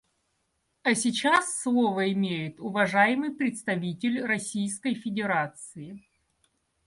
А сейчас слово имеет уважаемый представитель Российской Федерации.